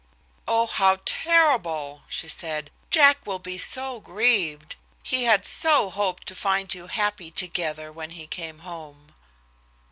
"Oh! how terrible!" she said. "Jack will be so grieved. He had so hoped to find you happy together when he came home."